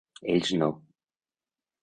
Ells no.